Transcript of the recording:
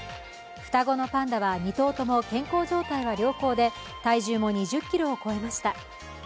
双子のパンダは２頭とも健康状態は良好で体重も２０ｋｇを超えました。